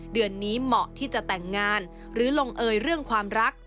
เดือนนี้เหมาะที่จะแต่งงานหรือลงเอยเรื่องความรัก